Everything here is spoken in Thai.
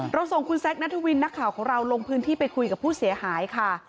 ส่งคุณแซคนัทวินนักข่าวของเราลงพื้นที่ไปคุยกับผู้เสียหายค่ะ